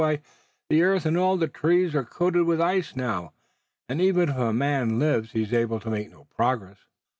Why, the earth and all the trees are coated with ice now, and even if a man lives he is able to make no progress."